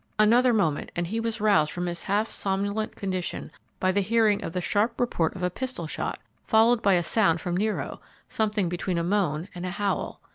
Another moment and he was roused from his half somnolent condition by the hearing of the sharp report of a pistol shot, followed by a sound from Nero, something between a moan and a howl.